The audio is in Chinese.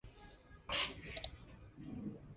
如此可以降低财产和人口的损失。